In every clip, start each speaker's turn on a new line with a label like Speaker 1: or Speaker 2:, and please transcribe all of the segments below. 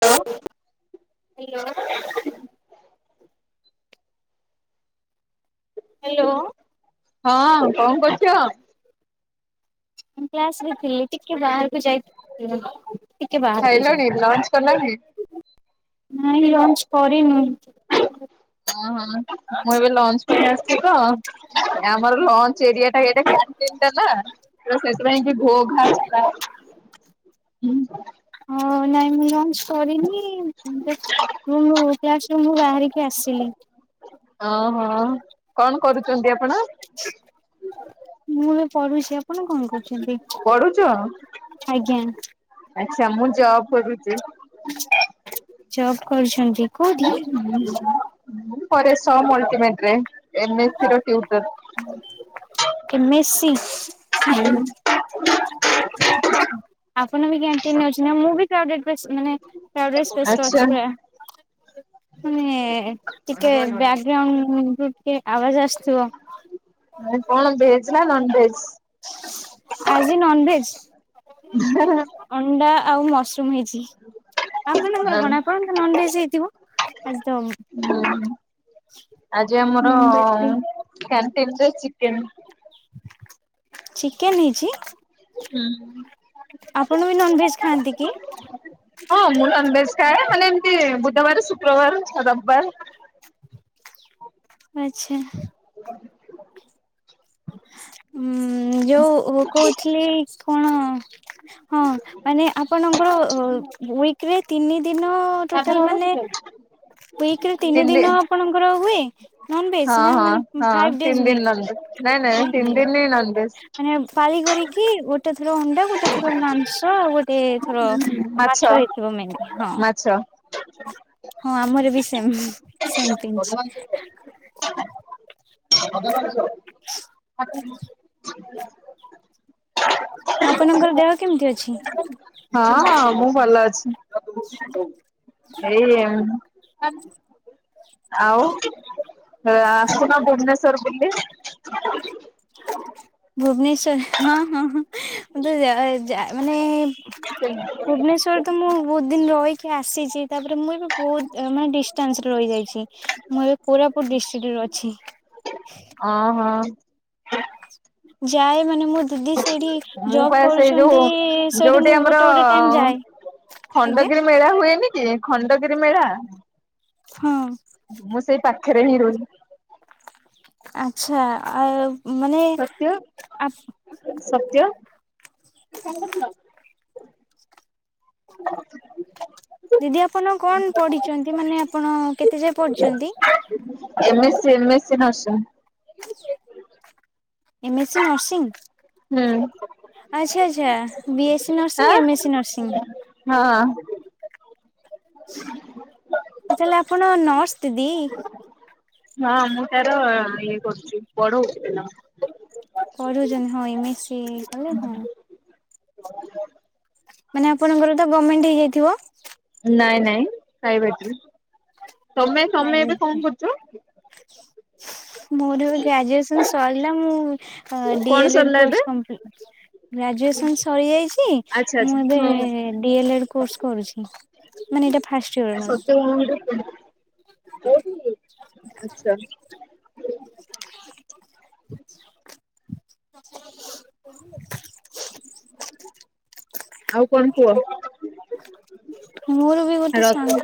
Speaker 1: Hello
Speaker 2: hello.
Speaker 1: ହଁ କଣ କରୁଛ?
Speaker 2: ମୁଁ କ୍ଲାସରେ ଥିଲି, ଟିକେ ବାହାରକୁ ଯାଇଥିଲ।
Speaker 1: ଖାଇଲଣି? ଲଞ୍ଚ କଲଣି?
Speaker 2: ନାଇଁ
Speaker 1: ଓ
Speaker 2: ଲଞ୍ଚ କରିନୁ।
Speaker 1: ହ ମୁଁ ଏବେ ଲଞ୍ଚ କଆମର ଲଞ୍ଚ ଏରିଆଟା ଏଟା [unintelligible] ନା ତ ସେଥିପ କି ଘୋ ଘା ଆ।
Speaker 2: ହଉ ନାଇଁ ମୁଁ ଲଞ୍ଚ କରିନି। ମୁଁ ମୋ କ୍ଲାସରୁ ବାହାରିକି ଆସିଲି।
Speaker 1: ଓହୋ କଣ କରୁଛନ୍ତି ଆପଣ?
Speaker 2: ମୁଁ ବି ପଢୁଛି। ଆପଣ କଣ କରୁଛନ୍ତି?
Speaker 1: ପଢୁଛ?
Speaker 2: ଆଜ୍ଞା।
Speaker 1: ଆଛା ମୁଁ ଜବ କରୁଛି।
Speaker 2: ଜବ୍ କରୁଛନ୍ତି। କୋଉଠି
Speaker 1: ପରେ ସମ ଅଲ୍ଟିମେଟରେ ଏମେ ସି ର ଟିଉଟର।
Speaker 2: ଏମେସିି ନା
Speaker 1: ହୁଁ
Speaker 2: ଆପଣ ବି କ୍ୟାଣ୍ଟିନରେ ଅଛନ୍ତି ନା ମୁଁ [unintelligible] ମାନେ କ୍ରାଉଡେଡ଼ ସ୍ପେସ
Speaker 1: ହଁ
Speaker 2: ମାନେ ଟିକେ ବ୍ୟାକ୍ ଗ୍ରାଉଣ୍ଡରୁ ଟିକେ ଆବାଜ ଆସଥିବ।
Speaker 1: କଣ ଭେଜ ନା ନନଭେଜ?
Speaker 2: ଆଜି ନନଭେଜ, ଅଣ୍ଡା ଆଉ ମସରୁମ ହେଇଛି। ଆପଣଙ୍କର
Speaker 1: ନନ୍।
Speaker 2: କଣ? ଆପଣ ତ ନନଭେଜ ହେଇଥିବ? ଆଜି ତ
Speaker 1: ହୁଁ ଆଜି ଆମର
Speaker 2: ନନଭେଜ ଡେ।
Speaker 1: କ୍ୟାଣ୍ଟିନରେ ଚିକେନ।
Speaker 2: ଚିକେନ ହେଇଛି? ଆପଣ ବି ନନଭେଜ ଖାଆନ୍ତି କି?
Speaker 1: ହଁ ମୁଁ ନନଭେଜ ଖାଏ। ମାନେ ଏମିତି ବୁଧବାର ଶୁକ୍ରବାର ଛ ରବିବାରେ।
Speaker 2: ଆଚ୍ଛା। ଉଁ ଯୋଉ ଉ କହୁଥିଲି କଣ ହଁ ମାନେ ଆପଣଙ୍କର ଅ ଉଇକିରେ ତିନି ଦିନ
Speaker 1: ସାଧା
Speaker 2: ଟୋଟାଲ
Speaker 1: ନା
Speaker 2: ମାନେ
Speaker 1: ଚିକେନ?
Speaker 2: ଉଇକିରେ ତିନି ଦିନ ଆପଣଙ୍କର ହୁଏ? ନନଭେଜ୍
Speaker 1: ହଁ
Speaker 2: ନା
Speaker 1: ହଁ
Speaker 2: ମାନେ
Speaker 1: ହଁ
Speaker 2: ଫାଇଭ୍
Speaker 1: ତିନି
Speaker 2: ଡେଜ
Speaker 1: ଦିନ
Speaker 2: ହୁଏ?
Speaker 1: ନାଇଁ ନାଇଁ
Speaker 2: ତିନି ଦିନ ମାନେ ପାଳି କରିକି ଗୋ ଗୋଟେ ଥର ଅଣ୍ଡା ଗୋଟେ ଥର ମାଂସ ଆଉ ଗୋଟେ ଥର ମାଛ ହେଇଥିବ ମେନଲି ହଁ।
Speaker 1: ମାଛ।
Speaker 2: ହଁ ଆମର ବି ସେମ।
Speaker 1: ଭଗବାନ [inaudible]
Speaker 2: ଆପଣଙ୍କର ଦେହ କେମିତି ଅଛି?
Speaker 1: ହଁ ମୁଁ ଭଲ ଅଛି। ଏଇ ଆଉ ଏ ଆସୁନ ଭୁବନେଶ୍ଵର ବୁଲି।
Speaker 2: ଭୁବନେଶ୍ୱର ହଁ ହଁ ହଁ। ମୁଁ ତ ଯାଏ ଯାଏ ମାନେ ଭୁବନେଶ୍ଵର ତ ମୁଁ ବହୁତ ଦିନ ରହିକି ଆସିଛି। ତାପରେ ମୁଁ ଏବେ ବହୁତ ମାନେ ଡିଷ୍ଟାନ୍ସରେ ରହିଯାଇଛି। ମୁଁ ଏବେ କୋରାପୁଟ ଡିଷ୍ଟ୍ରିକ୍ଟରେ ଅଛି।
Speaker 1: ଆଁ ହଁ।
Speaker 2: ଯାଏ ମାନେ ମୋ ଦିଦି ସେଇଠି
Speaker 1: ମୁଁ
Speaker 2: ଜବ୍
Speaker 1: ପା ସେଇ ଯୋଉ
Speaker 2: କରୁଛନ୍ତି। ସେଇଠି
Speaker 1: ଯୋଉଠି
Speaker 2: ମୁଁ ଗୋଟେ ଗୋଟେ ଟାଇମ
Speaker 1: ଆମର
Speaker 2: ଯାଏ। ଆଜ୍ଞା?
Speaker 1: ଖଣ୍ଡଗିରି ମେଳା ହୁଏନି କି ଖଣ୍ଡଗିରି ମେଳା।
Speaker 2: ହଁ।
Speaker 1: ମୁଁ ସେଇ ପାଖରେ ହିଁ ରହୁ
Speaker 2: ଆଚ୍ଛା ଆଉ ମାନେ
Speaker 1: ସତ୍ୟ,
Speaker 2: ଆ
Speaker 1: ସତ୍ୟ [inaudible]
Speaker 2: ଦିଦି ଆପଣ କଣ ପଢ଼ିଛନ୍ତି। ମାନେ ଆପଣ କେତେ ଯାଏ ପଢ଼ିଛନ୍ତି?
Speaker 1: ଏମେ ସେ ଏମେ ସେ nurse.
Speaker 2: M S C nursing?
Speaker 1: ହୁଁ [unintelligible]
Speaker 2: ଆଚ୍ଛା ଆଚ୍ଛା ବି ଏସ୍ ସି
Speaker 1: ଆଁ
Speaker 2: nursing M S C nursing.
Speaker 1: ହଁ।
Speaker 2: ଓ ତାହାଲେ ଆପଣ ନର୍ସ ଦିଦି।
Speaker 1: ହଁ, ମୁଁ ତାର ଇଏ କରୁଛି ପଢୋଉଚି ପିଲାଙ୍କୁ।
Speaker 2: ପଢୋଉଛନ୍ତି ହଁ ଏମ୍ ଏସ ସି କଲେ ହଁ।
Speaker 1: ହ [unintelligible]
Speaker 2: ମାନେ ଆପଣଙ୍କର ଗମେଣ୍ଟ ହେଇଯାଇଥିବ?
Speaker 1: ନାଇଁ, ନାଇଁ ପ୍ରାଇଭେଟ୍ ହି। ତମେ ତମେ ଏବେ କଣ କରୁଛ?
Speaker 2: ମୋର ଏବେ ଗ୍ରାଜୁଏସନ ସରିଲା ମୁଁ ହଁ ଡି
Speaker 1: କଣ
Speaker 2: ଏଲ ଏଡ୍
Speaker 1: ସରିଲା ଏବେ?
Speaker 2: କୋର୍ସ କମ୍ପଲିଟ ଗ୍ରାଜୁଏସନ ସରିଯାଇଛି।
Speaker 1: ଆଚ୍ଛା ଆଚ୍ଛା
Speaker 2: ମୁଁ ଏବେ
Speaker 1: ହଁ
Speaker 2: ଡି ଏଲ୍ ଏଡ୍ କୋର୍ସ କରୁଛି। ମାନେ ଏଇଟା ଫାଷ୍ଟ ଇୟର। ମୋର
Speaker 1: ସତରେ [unintelligible] ଆଛା
Speaker 2: [unintelligible]
Speaker 1: ଆଉ କଣ କୁହ?
Speaker 2: ମୋର ବି ଗୋଟେ
Speaker 1: ରଥ
Speaker 2: ସାଙ୍ଗ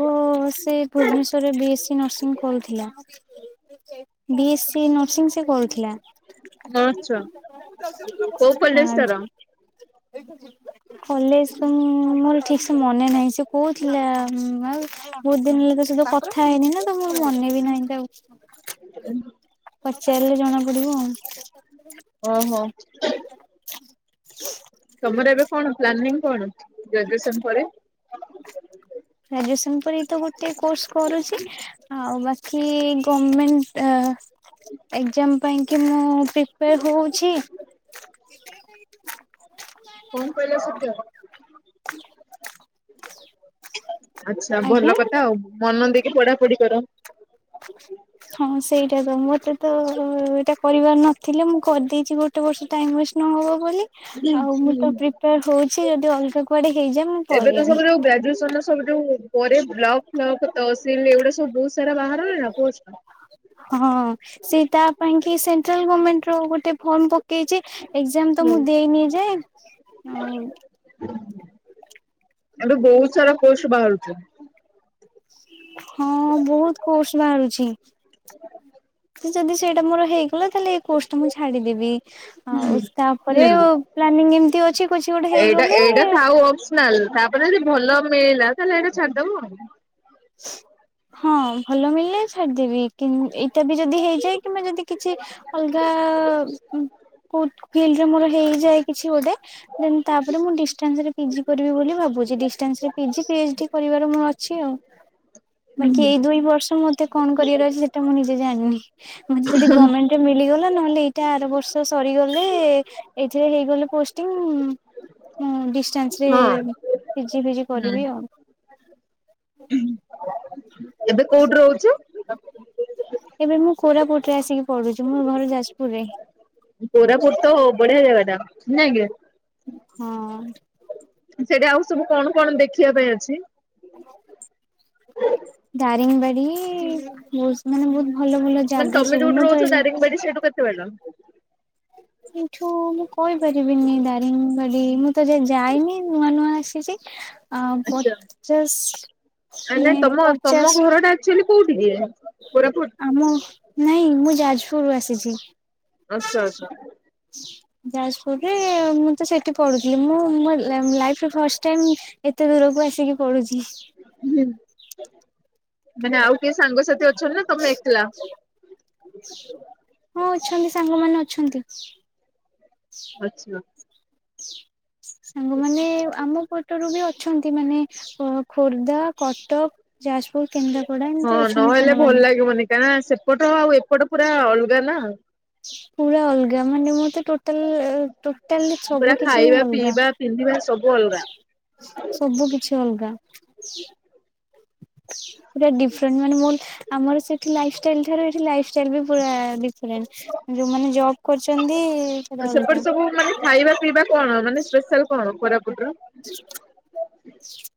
Speaker 2: ସେ ଭୁବନେଶ୍ୱର ରେ ବି ଏସ୍ ସି ନର୍ସିଂ କରିଥିଲା। ବି ଏ ସି ନର୍ସିଂ ସେ କରୁଥିଲା।
Speaker 1: କୋଉ କଲେଜ ତାର?
Speaker 2: ଆଉ କଲେଜ ତ ମୁଁ ମୋର ଠିକସେ ମନେ ନାହିଁ ସେ କୋଉଥିଲା ଉଁ ଆଉ ବୋହୁତ ଦିନ ହେଲେ ତା ସହିତ କଥା ହେଇନି ନା ତ ମୁଁ ମନେ ବି ନାହିଁ ତାକୁ
Speaker 1: ଏନ୍ ଭ
Speaker 2: ପଚାରଲେ ଜଣାପଡିବ ଆଉ।
Speaker 1: ଓହୋ। ତମର ଏବେ କଣ ପ୍ଲାନିଂ କଣ ଗ୍ରାଜୁଏସନ ପରେ?
Speaker 2: ଗ୍ରାଜୁଏସନ୍ ପରେ ଏଇ ତ ଗୋଟିଏ କୋର୍ସ କରୁଚି ଆଉ ବା କି ଗମେଣ୍ଟ ଆ ଏଗଜମ ପାଇଁ କି ମୁଁ ପ୍ରିପେୟାର ହୋଉଛି।
Speaker 1: କଣ କହିଲା ସତ୍ୟ। ଆଚ୍ଛା ଭଲ
Speaker 2: ଆଜ୍ଞା।
Speaker 1: କଥା ଆଉ ମନ ଦେଇକି ପଢାପଢି କର।
Speaker 2: ହଁ ସେଇଟା ତ ମତେ ତ ଏଇଟା କରିବାର ନଥିଲେ ମୁଁ କରିଦେଇଚି ଗୋ ଗୋଟେ ବର୍ଷ ଟାଇମ୍ ୱେଷ୍ଟ୍ ନହବ ବୋଲି ଆଉ ମୁଁ ତ ପ୍ରିପେୟାର ହୋଉଛି ଯଦି ଅଲଗା କୁଆଡେ ହେଇଯାଏ ମୁଁ
Speaker 1: ଏବେ ତ
Speaker 2: ପଳେଇବି।
Speaker 1: ସବୁ ଯୋଉ ଗ୍ରାଜୁଏସନର ସବୁ ଯୋଉ ପରେ ବ୍ଲକ ଫ୍ଲକ୍ ତହସିଲ ଏଗୁଡ଼ା ସବୁ ବୋହୁତ ସାରା ବାହାରୁନିନା ପୋଷ୍ଟ।
Speaker 2: ହଁ ସେ ତା ପାଇଁ କି ସେଣ୍ଟ୍ରାଲ ଗମେଣ୍ଟର ଗୋଟେ ଫର୍ମ ପକେଇଚି। ଏଗଜାମ ତ ମୁଁ ଦେଇନି ଯାଏଁ ଆଉ
Speaker 1: ଏବେ ବୋହୁତ ସାରା କୋର୍ସ ବାହାରୁଚି।
Speaker 2: ହଁ ବୋହୁତ କୋର୍ସ ବାହାରୁଛି। ଯଦି ସେଇଟା ମୋର ହେଇଗଲା ତାହେଲେ ଏଇ କୋର୍ସଟା ମୁଁ ଛାଡିଦେବି। ଆଉ ତାପରେ ଓ
Speaker 1: ହୁଁ
Speaker 2: ପ୍ଲାନିଂ ଏମତି ଅଛି କିଛି ଗୋଟେ ହେଇଗଲେ
Speaker 1: ନାଲ ତାପରେ ଯଦି ଭଲ ମିଳିଲା ତାହେଲେ ଏଇଟା ଛାଡ଼ଦୋବ ଆଉ।
Speaker 2: ହଁ ଭଲ ମିଳିଲେ ଛାଡିଦେବି କିନ୍ ଏଇଟା ଏବେ ଯଦି ହେଇଯାଏ କିମ୍ବା ଯଦି କିଛି ଅଲଗା ଉଁ କୋଉ ଫିଲଡରେ ମୋର ହେଇଯାଏ କିଛି ଗୋଟେ। ଦେନ୍ ତାପରେ ମୁଁ ଡିଷ୍ଟାନସରେ ପିଜି କରିବି ବୋଲି ଭାବୁଚି ଡିଷ୍ଟାନସରେ ପିଜି ପି ଏଚ୍ ଡି କରିବାର ମୁଁ ଅଛି ଆଉ। ବାକି ଏଇ ଦୁଇ ବର୍ଷ ମତେ କଣ କରିବାର ଅଛି ସେଟା ମୁଁ ନିଜେ ଜାଣିନି ମତେ ଯଦି ଗମେଣ୍ଟ ଏ ମିଳିଗଲା ନହେଲେ ଏଇଟା ଆର ବର୍ଷ ସରିଗଲେ ଏଇଥିରେ ହେଇଗଲେ ପୋଷ୍ଟିଙ୍ଗ୍ ମୁଁ ଡିଷ୍ଟାନ୍ସରେ
Speaker 1: ହଁ
Speaker 2: ପି ଜି ଫି ଜି
Speaker 1: ହୁଁ
Speaker 2: କରିବି ଆଉ
Speaker 1: ଏବେ କୋଉଠି ରହୁଚୁ?
Speaker 2: ଏବେ ମୁଁ କୋରାପୁଟରେ ଆସିକି ପଢୁଚି ମୋ ଘର ଯାଜପୁରରେ।
Speaker 1: କୋରାପୁଟ ତ ବଢିଆ ଯାଗାଟା ନାଇଁକି।
Speaker 2: ହଁ।
Speaker 1: ସେଠି ଆଉ ସବୁ କଣ କଣ ଦେଖିବା ପାଇଁ ଅଛି?
Speaker 2: ଦାରିଙ୍ଗବାଡି ବୋହୁତ ମାନେ ବୋହୁତ ଭଲ ଭଲ ଜାଗା ସବୁ ମୁଁ ତ ଏଯାଏଁ
Speaker 1: ମୁଁ କଇଲି ସେଇଠୁ କେତେ ବାଟ?
Speaker 2: ଏଇଠୁ ମୁଁ କହିପାରିବିନି ଦାରିଙ୍ଗବାଡି ମୁଁ ତ ଏଯାଏଁ ଯାଇନି ନୂଆ ନୂଆ ଆସିଚି। ଆଉ
Speaker 1: ଆଚ୍ଛା
Speaker 2: ପଚାଶ ମାନେ ପଚାଶ
Speaker 1: ଆକଚୋଲି କୋଉଠି କି କୋରାପୁଟ
Speaker 2: ଆମ ନାଇଁ ମୁଁ ଯାଜପୁରରୁୁ ଆସିଛି।
Speaker 1: ଆଛା ଆଛା।
Speaker 2: ଯାଜପୁରରେ ମୁଁ ତ ସେଠି ପଢୁଥିଲି ମୁଁ ମୋ ଲା-ଲାଇଫରେ ଫାଷ୍ଟ ଟାଇମ୍ ଏତେ ଦୂରକୁ ଆସିକି ପଡୁଚି।
Speaker 1: ହୁଁ ମାନେ ଆଉ କିଏ ସାଙ୍ଗସାଥି ଅଛନ୍ତି ନା ତମେ ଏକଲା?
Speaker 2: ହଁ ଅଛନ୍ତି ସାଙ୍ଗମାନେ ଅଛନ୍ତି।
Speaker 1: ଆଚ୍ଛା।
Speaker 2: ସାଙ୍ଗମାନେ ଆମ ପଟରୁ ବି ଅଛନ୍ତି ମାନେ ଅ ଖୋର୍ଦ୍ଧା, କଟକ ଯାଜପୁର, କେନ୍ଦ୍ରାପଡା ଏମିତି ଅଛନ୍ତି ସାଙ୍ଗମାନେ।
Speaker 1: ନା ସେପଟ ଆଉ ଏପଟ ପୁରା ଅଲଗା ନା।
Speaker 2: ପୁରା ଅଲଗା ମାନେ ମତେ ଟୋଟାଲ ଟୋଟାଲ
Speaker 1: ପୁରା
Speaker 2: ସବୁ କିଛି ହିଁ
Speaker 1: ଖାଇବା
Speaker 2: ଅଲଗା।
Speaker 1: ପିଇବା ପିନ୍ଧିବା ସବୁ ଅଲଗା।
Speaker 2: ସବୁ କିଛି ଅଲଗା। ପୁରା ଡିଫରେଣ୍ଟ ମାନେ ମୋ ଆମର ସେଠି ଲାଇଫଷ୍ଟାଇଲ ଠାରୁ ସେଠି ଲାଇଫଷ୍ଟାଇଲ ବି ପୁରା ଡିଫରେଣ୍ଟ। ଯୋଉମାନେ ଜବ୍ କରୁଚନ୍ତି
Speaker 1: ସେପଟେ ସବୁ ମାନେ ଖାଇବା ପିଇବା କଣ ମାନେ ସ୍ପେଶାଲ କଣ କୋରାପୁଟର।
Speaker 2: [inaudible]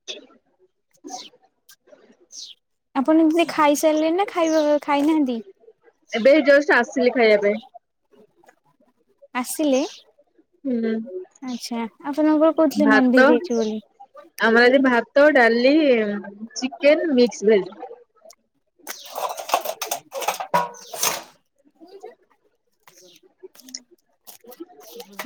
Speaker 2: ଆପଣ ଦିଦି ଖାଇସାରିଲେଣି ନା ଖାଇବା ଖାଇନାହାନ୍ତି।
Speaker 1: ଏବେ ଏଇ ଯୋଷ୍ଟ ଆସିଲି ଖାଇବା ପାଇଁ।
Speaker 2: ଆସିଲେ
Speaker 1: ହୁଁ।
Speaker 2: ଆଚ୍ଛା ଆପଣଙ୍କର କହୁଥିଲେ
Speaker 1: ଭାତ
Speaker 2: ନନଭେଜ୍ ହେଇଛି ବୋଲି।
Speaker 1: ଆମର ଆଜି ଭାତ, ଡାଲି, ଚିକେନ, ମିକ୍ସ ଭେଜ।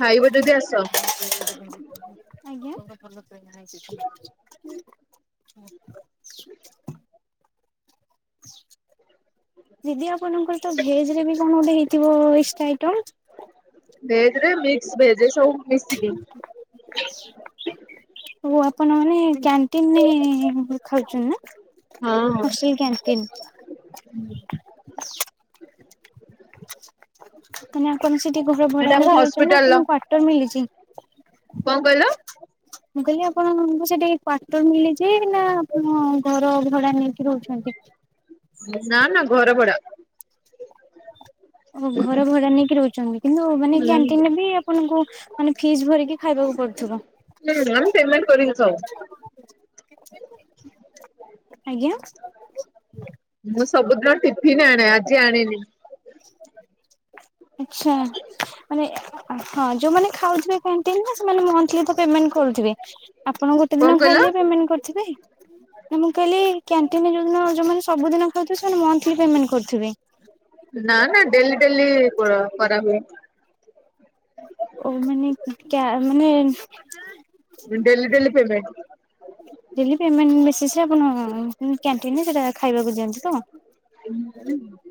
Speaker 1: ଖାଇବ ଯଦି ଆସ
Speaker 2: ଆଜ୍ଞା। [inaudible] ଦିଦି ଆପଣଙ୍କର ତ ଭେଜ ରେ ବି କଣ ଗୋଟେ ହେଇଥିବ ଏକ ଏଷ୍ଟ୍ରା ଆଇଟମ
Speaker 1: ଭେଜ ରେ ମିକ୍ସ ଭେଜ ସବୁ ମିଶିକି।
Speaker 2: ହ ଆପଣ ମାନେ କ୍ୟାଣ୍ଟିନରେ ଖାଉଛନ୍ତି ନା।
Speaker 1: ହଁ ହଁ।
Speaker 2: Hostel canteen? ତୁମେଆପଣ ସେଠି ଘରଭଡା
Speaker 1: ଏଇଟା ଆମ
Speaker 2: ନେଇକି ରହିଛନ୍ତି ନା
Speaker 1: ହସ୍ପିଟାଲ ର
Speaker 2: ଆପଣଙ୍କୁ କ୍ୟର୍ଟର ମିଳିଛି।
Speaker 1: କଣ କହିଲ?
Speaker 2: ମୁଁ କହିଲି ଆପଣଙ୍କୁ ସେଠିକ କ୍ଵର୍ଟରମିଳିଛି ସି ବିନା ଆପଣ ଘର ଭଡା ନେଇକି ରହୁଛନ୍ତି।
Speaker 1: ନା ନା ଘର ଭଡା।
Speaker 2: ଓ ଘର ଭଡା ନେଇକି ରହୁଛନ୍ତି କିନ୍ତୁ ମାନେ
Speaker 1: ହୁଁ
Speaker 2: କ୍ୟାଣ୍ଟିନରେ ବି ଆପଣଙ୍କୁ ମାନେ ଫିସ୍ ଭରିକି ଖାଇବାକୁ ପଡୁଥିବ।
Speaker 1: ର୍ହିଁ ହଁ ପେମେଣ୍ଟ କରିିବି ସବୁ।
Speaker 2: ଆଜ୍ଞା।
Speaker 1: ମୁଁ ସବୁଦିନ ଟିଫିନ ଆଣେ ଆଜି ଆଣିନି।
Speaker 2: ଆଛା ମାନେ ହଁ ଯୋଉମାନେ ଖାଉଥିବେ କ୍ୟଣ୍ଟିନ୍‌ ରେ ସେମାନେ ମନ୍ଥଲି ତ ପେମେଣ୍ଟ କରୁଥିବେ ଆପଣ ଗୋଟେ
Speaker 1: କଣ
Speaker 2: ଦିନ
Speaker 1: କହିଲ?
Speaker 2: ଖାଇଲେ ପେମେଣ୍ଟ କରିଥିବେ। ମୁଁ କାଲି କ୍ୟାଣ୍ଟିନ ଯେଉଁମାନେ ସବୁଦିନ ଖାଉଥେବେ ସେମାନେ ମନ୍ଥଲି ପେମେଣ୍ଟ କରୁଥିବେ।
Speaker 1: ନା ନା ଡେଲି ଡେଲି କରା କରାହୁଏ।
Speaker 2: ଓ ମାନେ କ୍ଯମାନେ
Speaker 1: daily daily payment.
Speaker 2: Daily payment ବେଶି ସେ ଆପଣ କ୍ୟାଣ୍ଟିନରେ ସେଟା ଖାଇବାକୁ ଦିଅନ୍ତିୁ ତ।
Speaker 1: [unintelligible]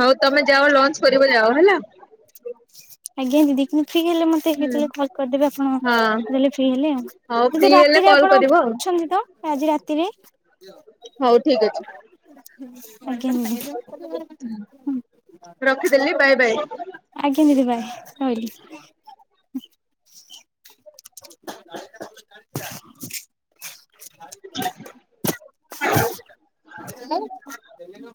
Speaker 1: ହଉ ତମେ ଯାଅ ଲଞ୍ଚ କରିବ ଯାଅ ହେଲା।
Speaker 2: ଆଜ୍ଞା ଦିଦି ଠିକ ହେଲେ ମତେ ହେ ତାଲେ କଲ କରିଦେବେ ଆପଣ
Speaker 1: ହଁ।
Speaker 2: ଦେହେଲେ ଫି ହେଲେ ଆଉ
Speaker 1: ହଉ ଫ୍ରି
Speaker 2: ଦିଦି
Speaker 1: ହେଲେ
Speaker 2: ରାତିରେ
Speaker 1: କଲ୍
Speaker 2: ଆପଣ
Speaker 1: କରିବ ଆଉ
Speaker 2: ଅଛନ୍ତି ତ? ଆଜି ରାତିରେ।
Speaker 1: ହଉ ଠିକ ଅଛି
Speaker 2: ଆଜ୍ଞା ଦି
Speaker 1: ରଖିଦେଲି ବାଏ ବାଏ।
Speaker 2: ଆଜ୍ଞା ଦିଦି ବାଏ ରହିଲି।
Speaker 1: [inaudible]